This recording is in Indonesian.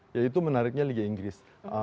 ya itu menariknya liga inggris